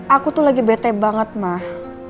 aku tuh lagi bete banget mah